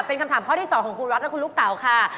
เป็นคำถามข้อที่๒ของคุณวัดและคุณลูกเต๋าค่ะ